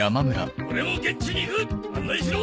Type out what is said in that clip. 俺も現地に行く！案内しろ！